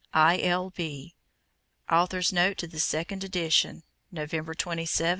I. L. B. (Author's note to the second edition, November 27, 1879.)